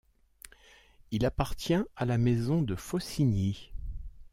Il appartient à la maison de Faucigny.